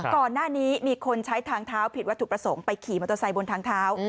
ก่อนหน้านี้มีคนใช้ทางเท้าผิดวัตถุประสงค์ไปขี่มอเตอร์ไซค์บนทางเท้า